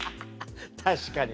確かにね。